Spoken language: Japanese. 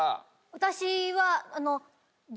私は。